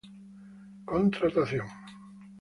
Contratación